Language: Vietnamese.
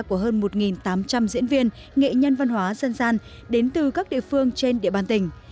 của hơn một tám trăm linh diễn viên nghệ nhân văn hóa dân gian đến từ các địa phương trên địa bàn tỉnh